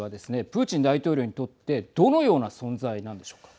プーチン大統領にとってどのような存在なんでしょうか。